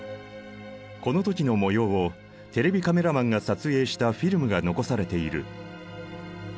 この時の模様をテレビカメラマンが撮影したフィルムが残されている。